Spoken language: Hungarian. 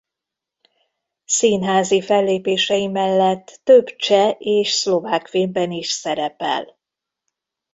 Színházi fellépései mellett több cseh és szlovák filmben is szerepel.